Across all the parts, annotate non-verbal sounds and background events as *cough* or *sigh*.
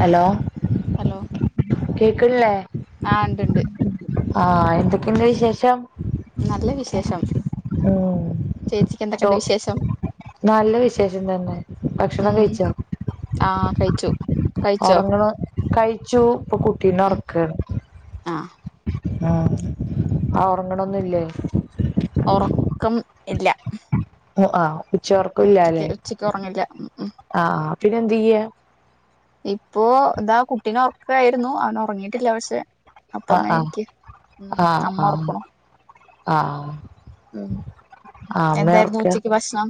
Hello hello കേക്കണില്ലേ ആ ഉണ്ട് ഉണ്ട് ആ എന്തൊക്കെയുണ്ട് വിശേഷം നല്ല വിശേഷം ഉം ചേച്ചിക്ക് ചോ എന്തൊക്കെയുണ്ട് വിശേഷം നല്ല വിശേഷം തന്നെ ഉ ഭക്ഷണം ആ കഴി ച്ചോ ഉറങ്ങള് കഴിച്ചു ഇപ്പൊ ഉം കുട്ടീനേഉറക്കയാണ് ആ ആ ആ ഉറങ്ങണൊന്നില്ലേ *unintelligible* ഉറക്കം ഇല്ല ങ്ങ് ആവു ഉച്ചറക്കില്ലാല്ലേ ഉച്ചക്ക് ഉച്ചക്ക് ഉറങ്ങില്ല ഉം ഉം ആ ആ പിന്നേ എന്ത് ചെയ്യ ഇപ്പൊ എന്താ കുട്ടിനെ ഉറക്ക ആയിരുന്നു അവൻ ഉറങ്ങിയിട്ടില്ല പക്ഷെ അപ്പൊ ആഹ് ന്നാ ആഹ് എനീക്ക്‌. അമ്മ ഉറക്കണോ ആ ആ ആ അമ്മ എന്തായിരുന്നു ഉറക്ക ഉച്ചക്ക് ഭക്ഷണം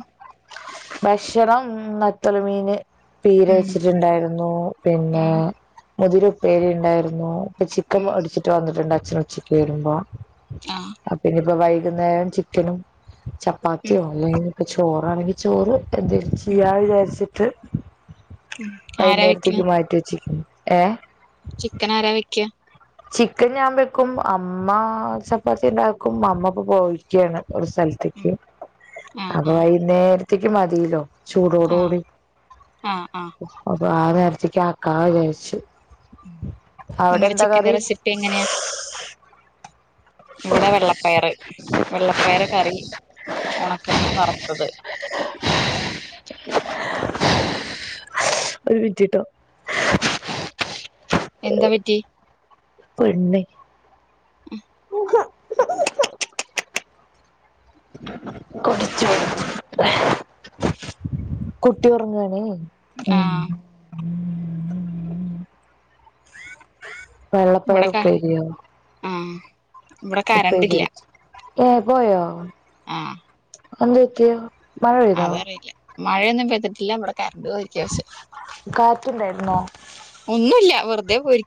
ഭക്ഷണം നത്തല് മീൻ ഉം പീരച്ചിട്ടുണ്ടായിരുന്നു പിന്നെ ഉം മുതിര പ്പേരി ഉണ്ടായിരുന്നു ചിക്കൻ ഉം വാടിച്ചിട്ട് വന്നിട്ടുണ്ടാ ച്ഛ ഉച്ചക്ക്‌ രുമ്പോ ആ പിന്നെ ഇപ്പ വൈകുന്നേരം ചിക്കനും ചപ്പാത്തി ഉം ഓൺലൈൻ പ്പ ചോറാണെങ്കിൽ ചോറ് ഉം എതിർച്ചിയവെസി ഉം *inaudible* ആരാ വെക്കണെ വൈകുന്നേരത്തേക്ക് മാറ്റി വെച്ചി ഏ ചിക്കൻ ആരാ വെക്ക ചിക്കൻ ഞാൻ വെക്കും അമ്മ ചപ്പാത്തി ഉണ്ടാക്കും അമ്മപ്പൊ പോയിരിക്കയാണ് ഒരു ഉം സ്ഥലത്തേക്ക് ആ അപ്പൊ ആ വൈകുന്നേര ഒറ്റക്ക് മതില്ലോ ആ ചൂടോടുകൂടി ആ ആ അപ്പ ആ നേരത്തേക്ക് ആക്ക വിചാച്ചു നിങ്ങള ചിക്കന്റെ റെസിപ്പി എങ്ങനെയാ ഇവിടെ വെള്ളപ്പയറ് വെള്ളപ്പയർ കറി ഉണക്ക മീൻ വറുത്തത് ഒരു വിട്ടിട്ടോ എന്താ പറ്റി പെണ്ണ് ഉ ഉ കുട്ടി ഉറങ്ങണേ ഉം ആഹ് ഇവിടെക്ക വെള്ളപ്പയർുപ്പരിയോ ആഹ് ഇവിടെ കരണ്ടില്ല എ പോയോ ആ ഒന്തേത്തിയോ മഴ പെയ്താ മഴയൊന്നും പെയ്ട്ടില്ല നമ്മടെ കറണ്ട് പോയിരിക്ക പക്ഷെ കാറ്റുണ്ടായിരുന്നോ ഒന്നുമില്ല വെറുതെ പോയി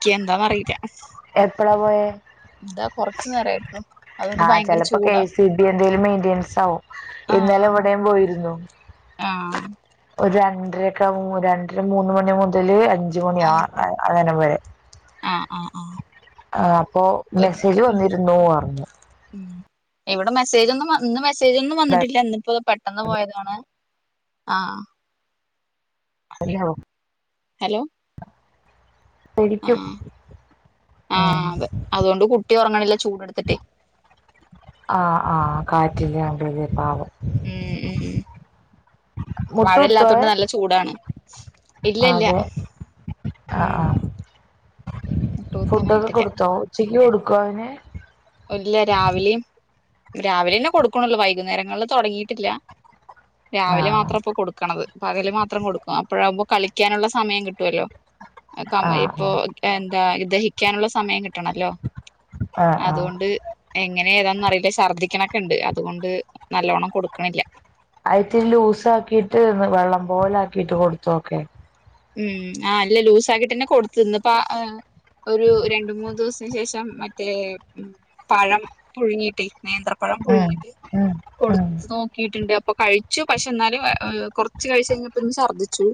എപ്പഴാ പോയെ ഇതാ കൊറച്ചു നേരായിട്ടുള്ളു അതുകൊണ്ട് ആഹ് ഭയങ്കര ചെലപ്പം കെ ചൂടാ സി ബി എന്തേലും മെയിന്റയിൻസ് ആവും ഇന്നലെ ആഹ് ഇവിടെയും പോയിരുന്നു ആഹ് ഒരു രണ്ടരക്കെവു രണ്ടര മൂന്ന് മണി മുതൽ അഞ് അഞ്ച് മണി അങ്ങനെ വരെ ആ ആഹ് ആ ആ അപ്പൊ മെസ്സേജ് വന്നിരുന്നു അറഞ്ഞു ഉം ഇവിടെ മെസ്സേജ് ഒന്നും ഇന്ന് മെസ്സേജ് ഒന്നും വന്നിട്ടില്ല ഇന്നിപ്പോ പെട്ടെന്ന് പോയതാണ് ആഹ് ഹലോ ആ ഉം ആഹ് അതെ അതുകൊണ്ട് കുട്ടി ഒറങ്ങ്ണില്ല ചൂട്ട്ടുത്തിട്ട് കാറ്റില്ല ഉ ഉ മുട്ട കുത്തുവോ മഴയില്ലാത്തൊണ്ട് നല്ല ചൂടാണ് ഇല്ല ഇല്ല അതെ ആ ആ ഉം ഫുഡൊക്കെ മുട്ടൂത്താനായിട്ടില്ല കൊടുത്തോ ഉച്ച ഉച്ചക്ക് കൊടുക്കോ അവന് രാവിലെ തന്നെ കൊടുക്കണല്ലോ വൈകുന്നേരങ്ങളില് തൊടങ്ങിയിട്ടില്ല രാവിലെ ആഹ് മാത്രം ഇപ്പം കൊട്ക്ക്‌ണത് പകല് മാത്രം കൊടുക്കും അപ്പോഴാവുമ്പോ കളിക്കാനുള്ള സമയം കിട്ടുവല്ലോ ആഹ് ക്കമാ ഇപ്പോ ക്യാൻ ദാ ഇത് ദഹിക്കാനുള്ള സമയം കിട്ട കിട്ടണല്ലോ ആഹ് ആഹ് അതുകൊണ്ട് എങ്ങനെ ഏതാന്ന് അറിയില്ല ഛർദ്ദിക്കണൊക്കെ ഇണ്ട് അതുകൊണ്ട് നല്ലോണം കൊടുക്ക്ണ് ഇല്ല അത് ഇത്തിരി ലൂസാക്കിട്ട് വെള്ളം പോലെ ആക്കിട്ട് കൊടുത്ത് നോക്കെ ഉം ആ അല്ല ലൂസാക്കിട്ടന്നെ കൊടുത്ത് ഇന്ന്പ്പം അ ഒരു രണ്ട് മൂന്ന് ദിവസത്തിന് ശേഷം മറ്റേ പഴം പുഴുങ്ങിട്ട് നേന്ത്രപ്പഴം ഉം പുഴുങ്ങിട്ട് ഉം ഉം കൊടുത്ത് നോക്കിട്ടുണ്ട് അപ്പൊ കഴിച്ചു പക്ഷെ എന്നാലും കുറച്ച് കഴിച്ചു കഴിഞ്ഞപ്പ ഇന്ന് ഛർദ്ദിച്ചു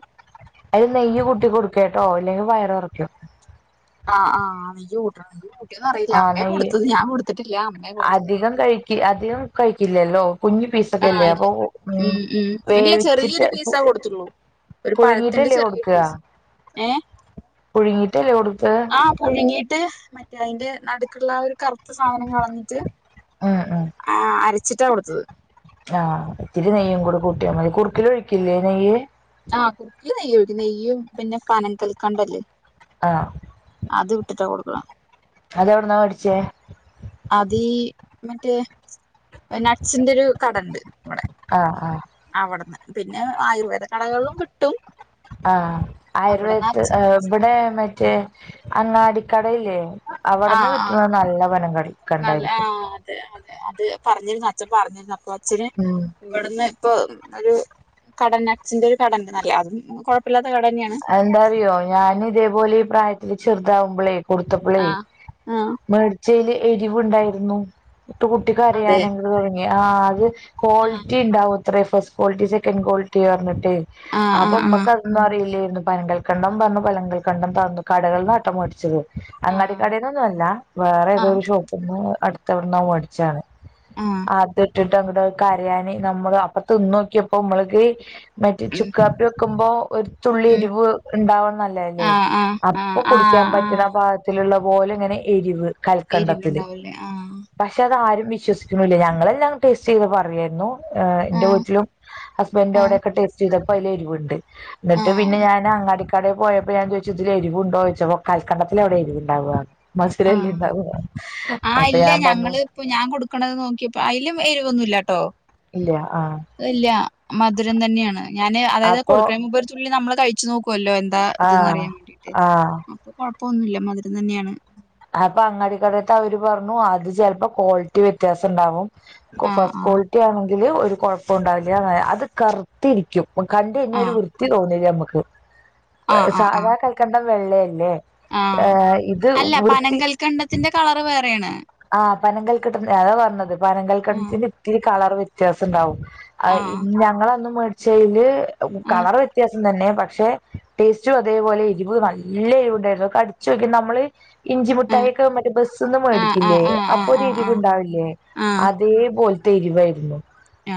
നെയ്യ് കൂട്ടി കൊടുകേട്ടോ അല്ലെങ്കിൽ വയറ് ഉറക്കും ആഹ് ആ അയ്യോ *inaudible* ആ നെയ്യ് അമ്മയെ കൊടുത്തത് അധികം കഴിക്കി അധികം കഴ് ഇല്ലല്ലോ കുഞ്ഞു ആ പീസൊക്കെല്ലേ ഇല്ല അപ്പൊ ഉം ഇല്ല വേവിച്ചിട്ട് ചെറിയൊരു പീസാ കൊടുത്തുള്ളൂ ഒരു പഴത്തിന്റെ പുഴുങ്ങിട്ടല്ലേ ചെറിയൊരു കൊടുക്ക പീസ് ഏ പുഴുങ്ങിട്ടല്ലേ കൊടുത്തെ ആ പുഴുങ്ങിയിട്ട് മറ്റേ അയിന്റെ നടുക്കുള്ള ഒരു കറുത്ത സാധനം കളഞ്ഞിട്ട് ഉം ഉം ആഹ് അര ച്ചിട്ടാ കൊടുത്തത് ആഹ് ഒത്തിരി നെയ്യും കൂടെ കൂട്ടിയാ മതി കുറുക്ക്‌ല് ഒഴിക്കില്ലേ നെയ്യ് ആഹ് കുക്ക് നയ്യു നെയ്യും പിന്നെ പനം കൽക്കാണ്ടല്ലേ ആ അത് ഇട്ടിട്ടാ കൊടുക്കുന്നെ അതെ എവിടന്നാ മേടിച്ചേ അതീ മറ്റേ നട്ട്സിന്റെ ഒരു കടയുണ്ട് ആഹ് ആഹ് പിന്നെ ആയുർവേദ കടകളും കിട്ടും ആഹ് അവിടന്ന് ആയുർവേദത്തി അച്ഛൻ ഇവിടെ മറ്റേ അങ്ങാടി കടയിലേ ആ അവിടന്ന് ആ കിട്ടണ നല്ല വനം കടാ നല്ല ആ കണ്ടായിരിക്കും അതെ അത് പറഞ്ഞിരുന്നു അച്ചൻ പറഞ്ഞിരുന്നു അപ്പം ഇച്ചരെ ഉം ഇവിടുന്ന് ഇപ്പം ഒരു കടനേ അച്ഛന്റെ ഒരു കടഉണ്ടന്ന് അറിയാം അതും കുഴപ്പമില്ലാത എന്താറിയോ ഞാൻ ഇതേപോലെ ഈ പ്രായത്തിൽ ചെ താവുമ്പോള കൊടുത്തപാളെ ആ ആ മേടിച് ചെലേയില് എരിവുണ്ടായിരുന്നു ഇട്ട് കുട്ടി അതെ കരയാനങ്ങട് തുടങ്ങി ആഹ് അത് ആ ക്വാളിറ്റി ഉണ്ടാവോ ഇത്ര ഫസ്റ്റ് ക്വളിറ്റി സെക്കൻ്റ് ക്വാളിറ്റി പറഞ്ഞ് ആ ആ അപ്പൊ ആ മ്മക്ക് അതൊന്നും അറിയില്ലേ ന്നെ പനങ്കൽക്കണ്ടം പറഞ്ഞ് പനങ്കൽക്കണ്ടം തന്നു കടകളിൽ ന്നാട്ടാ മേടിച്ചത് ആ അങ്ങാടിക്കടയിന്നൊന്നും അല്ല വേറെ ആ ഏതോരു ഷോപ്പ്ന്ന് അടുത് എവിടുന്നോ മേടിച്ചാണ് ആ അത്ട്ട്ട്ട് ട്ടങ്ങട് കരയാന് നമ്മള് അപ്പ തിന്നോക്കിയപ്പോ മ്മൾക്കീ മറ്റേ ഉം ചുക്കാപ്പി വെക്കുമ്പോ ഒരു ഉം എരുവ് ഇണ്ടാവണത് നല്ലതല്ലേ, ആ ആ ആ അപ്പോ ആ കുടിക്കാൻ ആ പറ്റണ പാകത്തില് ള്ള പോലെങ്ങെനെ എരിവ് കൽക്കണ്ടത്തില് എരിവുണ്ടാവൂലേ ആ പക്ഷെ അതാ ആരും വിശ് വിശ്വസിക്കുണൂല്ല ഞങ്ങളെല്ലാം ടെസ്റ്റ് ചെയ്ത് പറയായിരുന്നു ഏഹ് ആ എന്റെ വീട്ടിലും ഹസ്ബൻഡിന്റെ ആ അവിടെ ഒക്കെ ടേസ്റ്റ് ചെയ്ത് പ്പയിലെരിവുണ്ട് ആ എന്നിട്ട് പിന്നെ ഞാൻ അങ്ങാടി കട കടേ പോയപ്പോ ഞാൻ ചോദിച്ചു ഇതിൽ എരീവുണ്ടോ ചോദിച്ചപ്പോ കാൽക്കണ്ടത്തിൽ എവിടെയാ എരിവുണ്ടാവാ ആ മസിരല്ലേ ഇണ്ടാവ ആ അപ്പൊ ഇല്ല ഞാൻ പറഞ്ഞു എരുവൊന്നുല്ലാട്ടോ ഇല്ല ആ മധുരം തന്നെയാണ് ഞാന് അതായത് കൊടുക്കണേ മുമ്പ് ഒരു തുള്ളി നമ്മള് കഴിച്ചു നോക്ക് ക്കുവല്ലോ എന്താ ഇതന്ന് ആഹ് അറിയാൻ വേണ്ടീട്ട് ആഹ് അപ്പൊ ഇപ്പൊന്നുല്ല മധുരം തന്നെയാണ് അപ്പൊ അങ്ങാടിക്കടത്തേ അവര് പറഞ്ഞു അത് ചിലപ്പോ ക്വാളിറ്റി വ്യത്യാസം ഉണ്ടാവും കോ ആഹ് ഫസ്റ്റ് ക്വാളിറ്റി ആന്നെങ്കി ല് ഒരു കൊഴപ്പോം ഉണ്ടാവില്ല അത് കറുത്തിരിക്കും പ്പം കണ്ട് കഴിഞ്ഞാ ആഹ് ഒരുവൃത്തി തോന്നില്ല നമ്മക്ക് ആഹ് ആഹ് ആഹ് ആഹ് സാധാ കൽക്കണ്ടം വെള്ളയല്ലേ ആ ഇത് വൃ വെങ്കൽക്കണ്ടത്തിന്റെ കളർ വേറെയാണ് ആ പനങ്കൽകട്ടത്തിന്റെ അതാ പർണത് പനം ആഹ് കൽക്കണ്ടത്തിന്റെ ഇത്തിരി കളർ വ്യത്യാസം ഇണ്ടാവും അയ് ആഹ് ഞങ്ങളന്നും മേട്ച്ചെയിൽ ആഹ് കളർ വ്യത്യാസം സം തന്നെ പക്ഷെ ടേസ്റ്റും അതേപോലെ എരിവ് നല്ല എരിവ്ണ്ടായിരുന്നു കടിച്ചോക്കി നമ്മൾ ഇഞ്ചി മുട്ടായിയൊക്കെ മറ്റു ബസ്ന്ന് മേടി ആഹ് ആഹ് ല്ലേ ആഹ് അപ്പൊര് എരിവ് ആഹ് ഇണ്ടാവില്ലേ ആഹ് അതേ പോൽത്തെ എരിവായിരുന്നു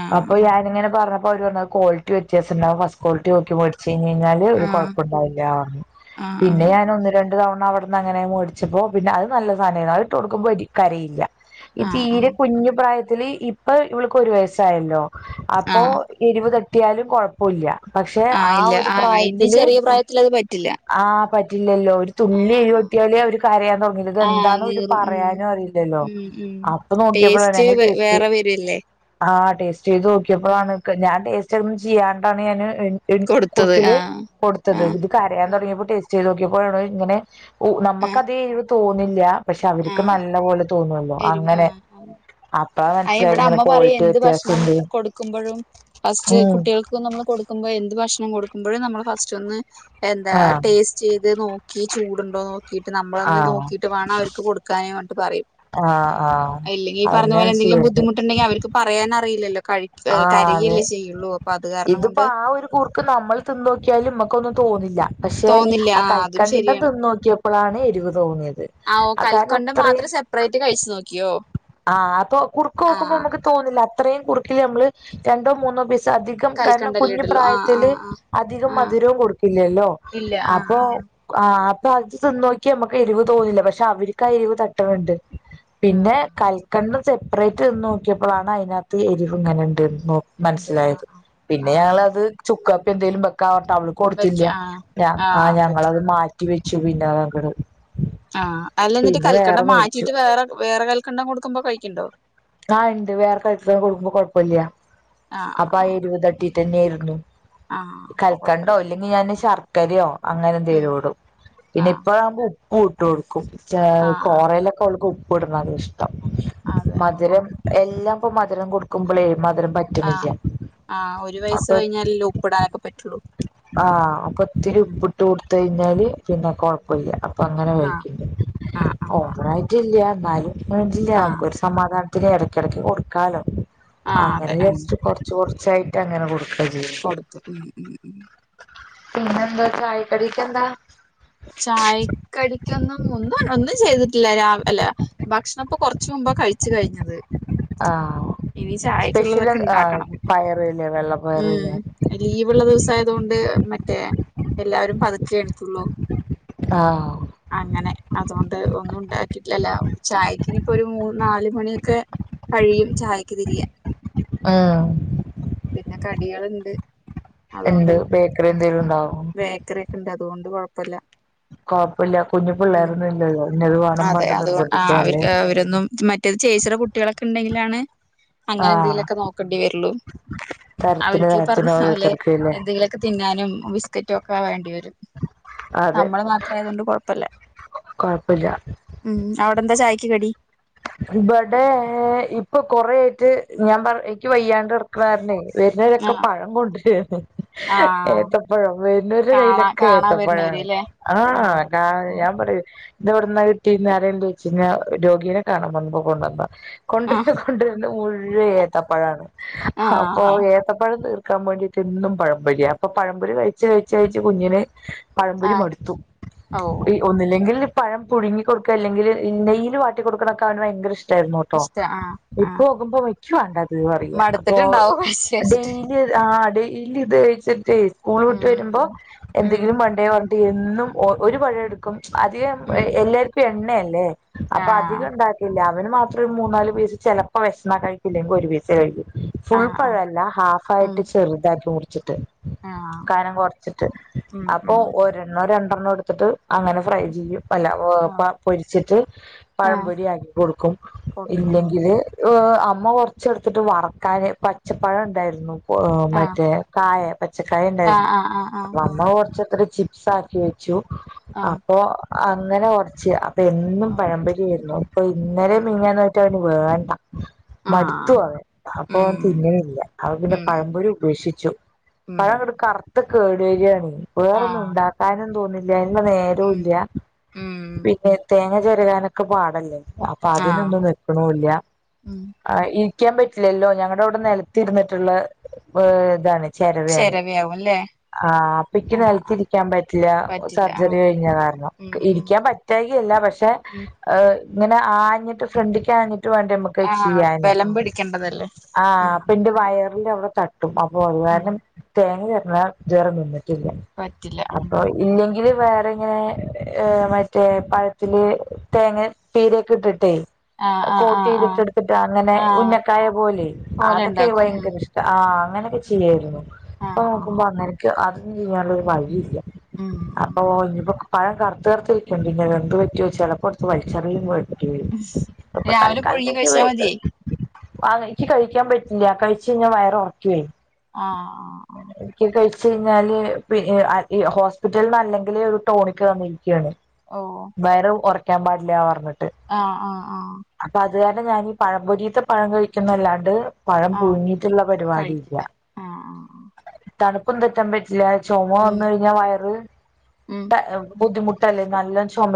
ആഹ് അപ്പം ആഹ് ഞാനിങ്ങനെ പർ ഓരോന്ന് ക്വാളിറ്റി വ്യത്യാസം ഇണ്ടാവും ഫസ്റ്റ് ക്വാളറ്റിയോക്കി വേട് ച്ചെയ്ഞ്ഞെയ്ഞ്ഞാൽ ഒര് ആഹ് കൊഴപ്പണ്ടാവില്ല പർണു ആഹ് ആഹ് ആഹ് പിന്നെ ആഹ് ഞാൻ ഒന്ന് ര ണ്ട് തവണ അവ്ട്ന്ന് അങ്ങനെ മേട്ച്ചപ്പോ പിന്നെ അയ് നല്ല സാനെനു അയ്ട്ട് കൊട് ക്കുമ്പൊര് കരയില്ല ഈ ആഹ് ആഹ് തീരെ കുഞ്ഞു പ്രായ ത്തിൽ ഇപ്പ ഇവൾക്ക് ഒര് വയസായല്ലോ അപ്പോ എരിവു ത ട്ടിയാലും കൊഴപ്പവില്ല ആ്ഇല്ല ആ അയിന്റിം ചെറെ പ്രായത്തി അത് പറ്റില്ല ഇല്ലല്ലോ ഒരു തുള്ളി ആഹ് എരുവട്ടിയാലെ അവര് കരയാൻ തോടങ്ങില്ലെ ഇത് ആഹ് ആഹ് എന്താണ് ഒര് നീറും ഉം ഉം ഉം ടേസ്റ്റ് വേ വേറെ വെര അല്ലെ ആ ടേസ് ചെയ്ത് നോക്കിയപ്പളാണ് ഞാൻ ടെസ് ച്ചെന്നും ചെയ്യാത്താണ് ഞാന് അയ് ഇൻ കൊടുത്തത് കുർക്കില് ആഹ് കൊട്ത്തത് ആഹ് ഇത് കരയാൻ തൊടങ്ങിയപ്പോ ടെസ് ചെയ്തോക്കിയപ്പോഴാണോ ഇങ്ങനെ ഓ ആഹ് നമ്മക്കത് ഏ തോന്നില്ല പക്ഷേ അവർക്ക് ആഹ് നല്ല പോലെ തോന്നൂല്ലോ അങ്ങനെ അപ്പ അയിന് മനസ്സിലായത് ഇവിടെ ഇങ്ങനെ അമ്മ പറയും ക്വാളിറ്റി എന്ത് ഭക്ഷണം വ്യത്യാസണ്ട് കൊടുക്കുമ്പോഴും ഫസ്റ്റ് ഉം കുട്ടികൾക്ക് നമ്മള് കൊടുക്കുമ്പോ എന്ത് ഭക്ഷണം കൊടുക്കും മ്പഴും നമ്മള് ഫസ്റ്റ് ഒന്ന് എന്താ ആഹ് ടേസ്റ്റ് ചെയ്ത് നോക്കി ചൂടുണ്ടോ നോക്കി കീട്ട് നമ്മളൊന്ന് നോക്കിട്ട് വേണം അവര്ക്ക് കൊടുക്കാനേ പ ആ ആഹ് അതന്നെ എന്തങ്കിലും ബുധിമുട്ടുെങ്കിൽ അവർക്ക്‌ പറയാൻ അറി അറിയില്ലല്ലോ കഴിക്ക്‌ ആഹ് അതെ കരയല്ലേ ചെയ്യുള്ളൂ അത് കാരണം ഇതിപ്പോ കൊണ്ട് ആ ഒരു കുർക്ക് നമ്മൾ തിന്ന്നോക്കിയാലും ഇമ്മക്കൊന്നും തോ തോന്നില്ല പക്ഷേ തോന്നില്ല ആ ആഹ് അതും കൽക്കണ്ടം തിന്നോ ക്കിയപ്പോ ഇപ്പോളാണ് എരിവ് തോന്നിയത് ആ കാരണം കൽക്കൊണ്ട അത്രയും മാത്രം സെപ്പറേറ്റ് കഴിച്ചു നോക്കിയോ ആഹ് അപ്പൊ കുറുക്ക് നോക്കുമ്പോ ആഹ് നമുക്ക് തോന്നില്ല ഇത്രയും കുറുക്കില് നമ്മള് രണ്ടോ മൂന്നോ ബിസ് ച്ച അധികം കാരണം കൽക്കണ്ടല്ലേ കുഞ്ഞു ഇടുള്ളൂ ആഹ് പ്രായത്തില് ആഹ് ആഹ് അധികം ആഹ് മധുരവും കൊടുക്കില്ലല്ലോ ഇല്ല അപ്പൊ ആഹ് ആ പ്പ അത്‌ തിന്നോക്കിയാൽ നമുക്ക് എരിവ് തോന്നുന്നില്ല പക്ഷേ അവർക്ക് ആ എരിവ് തട്ടണുണ്ട് പിന്നെ ആഹ് രണ്ടും സെപ്പറേറ്റ് ന്ന് നോക്കിയപ്പോളാണ് അതിനകത്ത് എരിവ് ഇങ്ങനെ ഉണ്ടെന്ന് ഉണ്ട് ആഹ് മനസ്സിലായത് പിന്നെ ആഹ് ആഹ് ഞങ്ങളത് ചുക്കാപ്പ് എന്തേലും ബക്ക *unintelligible* അവള് വെക്ക കൊടുത്തില്ല ആഹ് ഞ ആ ആഹ് ഞങ്ങളത് പറ്റില്ല മാറ്റി വെ *unintelligible* ആ അല്ല എന്നിട്ട് കൽക്കണ്ടം മാറ്റിട്ട് വേറെ വേറെ കൽ ക്കണ്ടണം കൊടുക്കുമ്പോ കഴിക്കുണ്ടോ ആ ഉണ്ട് വേറെ കഴ്ക്കാൻ കൊടുക്കുമ്പോ കൊഴപ്പമില്ല ആഹ് അപ്പൊ ആഹ് ആ എരുവുത്തട്ടി തന്നേയ്രുന്നു ആഹ് ആഹ് അപ്പൊ കൽക്കണ്ടോ കൊഴപ്പല്ല ഇല്ലെങ്കിൽ ഞാൻ ശർക്കരയോ അങ്ങനെ ഉം എന്തേലിടും പിന്നെ ആഹ് ഇപ്പോഴകുമ്പോ ഉ ഊട്ടുട് ആഹ് ആഹ് *unintelligible* ഇവിടെ നാലുവർഷം അതെ ആഹ് എല്ലാം ഇപ്പ മധുരം കൊടുക്കുമ്പോ എഴ മധുരം പറ്റുണില്ല ആഹ് ആഹ് ഒരു വയസ്സ് കഴിഞ്ഞാലല്ലേ ഉപ്പിടാനൊക്കെ പറ്റുള്ളൂ ആഹ ഒത്തിരി ഉം ഉപ്പിട്ട് കൊട് തേഞ്ഞാല് പിന്നെ കുഴപ്പമില്ല അപ്പ അങ്ങനെ ആഹ് കഴിക്കണ്ട് ആഹ് ആഹ് ആഹ് ഓപ്പൺ ആയിട്ടില്ല ബാല *unintelligible* വില്ല ആഹ് നമുക്ക് ഒരു സമാധാനം ഇന് ഇടയ്ക്കിടക്ക് കൊടുക്കാലോ ആഹ് അങ്ങനെ അതെ ഉം ജസ്റ്റ് കുറച്ച് കുറച്ച് കുറച്ചായിട്ടു അങ്ങനെ കൊടും കൊടുത്തു ഉം ഉ- ഉ ആ എന്താ *unintelligible* ഒന്നും ഒന്നും ചെയ്തിട്ടില്ല അല്ല ഭക്ഷണ ഇപ്പൊ കൊറച്ച് മുമ്പ് കഴിച്ചു കഴിഞ്ഞത് ആഹ് ഇനി സ്പെഷ്യൽ ചായക്കുള്ളതൊക്കെ ആഹ് ഉണ്ടാക്കണം പയറില്ലേ ഉം വെള്ളപ്പയറില്ലേ ലീവുള്ള ദിവസയതുകൊണ്ട് മറ്റേ എല്ലാവരും പതുക്കുക എടുത്തുള്ളൂ ആഹ് അങ്ങനെ അതുകൊണ്ട് ഒന്നും ആക്കിട്ടില്ലല്ലോ ചായക്കിനിയിപ്പോ ഒരു മൂന്ന് നാലുമണിയൊക്കെ കഴിയും ചായക്ക് തിരിയാൻ ആഹ പിന്നെ കടികള്ണ്ട് എന്ത് അതുകൊണ്ട് ബേക്കറി എന്തെലും ഉണ്ടാവും ബേക്കറി ഒക്കെ ഉണ്ട് അതുകൊണ്ട് കുഴപ്പല്ല കൊഴപ്പില്ല കുഞ്ഞു പിള്ളാർത് ഇന്നത് വേണം അതെ പറഞ് അതുകൊ ആ അവര് നിർബന്ധിക്കാല്ലേ ലാണ് അങ്ങനെ ആഹ് എന്തെങ്കിലുക്കെ നോക്കേണ്ടി വരുള്ളൂ തരത്തിന് അവർക്ക് ഈ പറഞ് തരത്തിന് പോലെ ഓരോരുത്തർക്കും ഇല്ലേ എന്തെങ്കിലുക്കെ തിന്നാനും ബിസ്ക്കറ്റോ ഒക്ക വേണ്ടി അതെ നമ്മള് മാത്ര ആയതൊണ്ട് കൊഴപ്പല്ല കൊഴപ്പില്ല മം അവിടെന്താ ചായക്ക് കടി ഇവിടെ ഇപ്പൊ കൊറെ ആയിട്ട് ഞാൻ എനിക്ക് വയ്യാണ്ട് കെടക്കണ കാരണെ ആ വരുന്നവരക്കെ പഴം കൊണ്ട്ന്നു ആ ഏത്തപ്പഴം വരുന്നരുടെ കാണാ കയ്യിലൊക്കെ കാണാൻ വരുന്നവര് ഏത്തപ്പഴാണ് ല്ലേ ആ ആഹ് ഞാൻ പറയൂ ഇത് ഇവിടന്നാ കിട്ടിയത് എന്ന് എല്ലാരും ചോയചില്ലിയോ രോഗിയെ കാണൻ വന്നപ്പോ കൊണ്ടന്ന കൊണ്ടറിച്ച ആഹ് കൊണ്ടര്ന്ന മോൾ ൻ ഫുള്ളും ഏത്തപ്പഴാണ് അപ്പൊ ആഹ് ഏത്തപ്പഴം തീർ ക്കാൻ വേണ്ടിയിട്ട് എന്നും പഴംപൊരിയാ അപ്പൊ പഴം മ്പൊരി കഴിച് കഴിച് കുഞ്ഞിന് പഴം മ്പൊരി ആഹ് മടുത്തു ഓ ഈ ഒന്നില്ലെങ്കിൽ പഴം പുഴുങ്ങി കൊടുക്ക അല്ലെങ്കിൽ നെയില് വാട്ടി കൊടുക്കണ പ്പ അവന്ഭയങ്കര ഇഷ്ട ഇഷ്ട്ടണുട്ടോ ഇഷ്ട ആഹ് ഇപ്പ ആഹ് നോകുമ്പോ ന ക്ക് വാണ്ടാന്ന്പറയാ അപ്പൊ മടുത്തിട്ടുണ്ടാവും കഴിച്ച് കഴിച്ചിട്ട് ഡെയിലി ആ ഡെയ്ലി ഇത് കഴിച്ചിട്ട് സ്കൂൾ വിട്ട് വരുമ്പോ ഉം ഉം എന്തെങ്കിലും വേൺണ്ടേ ഓ എന്നും ഒ ഒരു പഴം എടുക്കും അതികം ഉം എല്ലാർക്കും എ പിന്നെയല്ലേ അപ്പൊ ആഹ് അധികം ഉണ്ടാക്കി രാവിലെ മാത്രം ഒരു മൂന്നാല് പീസ് ചെലപ്പോ വെശന്നാ കഴിക്കും ഇല്ലെങ്കിഒരു പീസേ കഴിക്കു ഫുൾ ആഹ് ആഹ് പഴല്ല ഹാഫ് ഉം ആയിട്ട് ചെറുതാക്കി മുറി ഉച്ചിട്ട് ആഹ് കനം കുറച്ചിട്ട് ഉം അപ്പൊ ഉം ഒരെണ്ണോ രണ്ട ഒരെണ്ണം എടുത്തിട്ട് അങ്ങനെ ഫ്രൈ ചെയ്യും അല്ല പ്പൊ പ പൊരിച്ചിട്ട് പഴം ആഹ് പൊരിയാകി കൊടുക്കും കൊടുക്കും ഉം ഇല്ലെങ്കില് മ് ആ ഉമ്മ കൊറച്ച്എടുത്തിട്ട് വറക്കാന് പച്ചപ്പഴം ഉണ്ടായിരുന്നു ആഹ് മറ്റേ കായം പച്ചക്കായ ആഹ് ഉണ്ടായിരുന്നു ആഹ് ആഹ് അപ്പ ആഹ് അമ്മ കുറച്ചെടുത്ത് ചി സാക്കി വെച്ചു ആഹ് അപ്പൊ അങ്ങനെ കുറച്ച് എന്നും ആഹ് ഓ പഴമ്പൊരി ആയിരുന്നു ഇ ഇന്നലെ ആഹ് മിനിങ്ങാഞ്ഞ് ആയിട്ട് വേണ്ട മടുത്തു ആഹ് അവൻ അപ്പൊ അവൻ ഉം തിന്നണില്ല അപ്പൊ പിന്നെ ഉം ഉം പഴംപൊഴി ഉപേക്ഷിച്ചു ഉം പഴംഅങ്ങ് കറുത്ത് കേട്‌വരയാണ് വേറൊന്നും ആഹ് ഉണ്ടാക്കാനും തോന്നില്ല ഉം അതിനുള്ളനേരോല്ല ഉം പിന്നെ തേ - - അങ്ങെ ചെരുകാനൊക്കെ പാടല്ലേ അപ്പൊ ആഹ് അതിനൊന്നും നിക്കാണു ഇല്ല ഉം ആ ഇ രിക്കാൻ പറ്റില്ലല്ലോ ഞങ്ങടെ ഇവിടെ നെലത്തിരുന്നിട്ടുള്ള ഏഹ് ഇതാണ് ചെരവായാണെ ചെരവയാവും ല്ലേ ആ അപ്പക്ക് ആഹ് ആഹ് നെലത്തിരിക്കാ പറ്റില്ല പറ്റില്ല സർജറി ആഹ് കഴിഞ്ഞ കാരണം ഉം ഉം ഇരിക്കാൻ പറ്റഴികയല്ല പക്ഷെ ഉം ഏഹ് അങ്ങനെ ആഞ്ഞിട്ട് ഫ്രണ്ടിക്ക ആഞ്ഞി ട്ട് വേണ്ടേ മ്മുക്ക് ആഹ് ചെയ്യാന് ബലം പിടിക്കേണ്ടതല്ലേ ആ ഉം പ്പിന്റെ വയ റിൻറ്റാവിടെ ത ട്ടും അപ്പോ അത് ഉം കാരണം തേങ്ങ *unintelligible* പറ്റില്ല *unintelligible* ഉം അപ്പൊ ഇല്ലെങ്കില് വേ റേങ്ങനെ മറ്റേ പഴത്തില് തേങ്ങ പീരെക്കെ ഇട്ടിട്ടേ ആഹ് ആഹ് കോട്ട് ആഹ് ആഹ് ചെയ്തിട്ടെടുത്തിട്ട് അങ്ങനെ ആഹ് ഉന്നക്കായ പോലെയെ കോല അതൊക്കെ ഉണ്ടാക്കും ഉം ഭയങ്കര ഇഷ്ട ആഹ് അങ്ങനൊക്കെ ചെയ്യാരുന്നു ഇപ്പൊ ആഹ് ആഹ് നോക്കുമ്പോ അന്നെനിക്ക് അത് എനിക്ക് നല്ലൊരു വഴി ഇല്യ ഉം ഉം അപ്പോ ഇനിപ്പോ പഴം കറ്കർത്തിരിപ്പൊണ്ട് ഇനി അത് എന്ത് പറ്റോ ചെലപ്പോ എടുത്ത് വ *unintelligible* രാവിലെ പുഴുങ്ങി കഴിച്ച മതി ആ എനിക്ക് കഴിക്കാൻ പറ്റില്ല കഴിച്ച് കഴിഞ്ഞവയറ് ഒറ ക്കുവേ ആഹ് ആഹ് ഒരിക്കെ കഴി ച്ച് ഴിഞ്ഞാല് പിൻ ഏ ആ ഇ ഹോസ്പിറ്റൽന്ന് അല്ലെങ്കിലേ ഒരു ടോണിക്ക് തന്നെയ് ക്കാണ് വയറ് ഒറ ക്കാൻ പാടി ഇല്ല പറഞ്ഞ് ആ ആ ആ ത് കാരണം ഞാനി ഈ പഴം പൊരിത്ത പഴം കഴിക്കുന്നല്ലാണ്ട് പഴം ആഹ് പുഴുങ്ങിട്ടുള്ള പരിപാടി ഇല്ല കഴിക്കില്ല ആഹ് ആഹ് തണുക്കും തെറ്റാ പ റ്റില്ല ചൊമ ഉം വന്ന് കഴിഞ്ഞ വയറ് ഉം ട്ട ബുദ്ധിമു ട്ടല്ലേ നല്ല ചൊമ